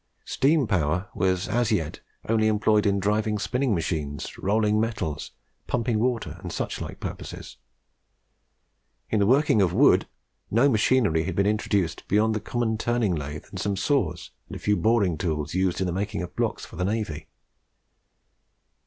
Steam power was as yet only employed in driving spinning machines, rolling metals, pumping water, and such like purposes. In the working of wood no machinery had been introduced beyond the common turning lathe and some saws, and a few boring tools used in making blocks for the navy.